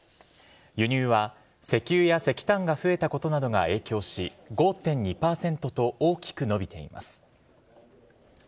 輸入は、石油や石炭が増えたことなどが影響し、５．２％と大きく伸びています。